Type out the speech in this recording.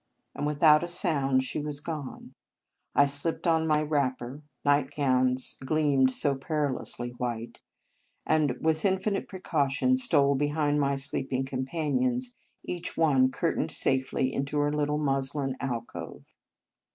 and without a sound she was gone. I slipped on my wrapper, night gowns gleam so perilously white, 9 In Our Convent Days and with infinite precaution stole be hind my sleeping companions, each one curtained safely into her little muslin alcove.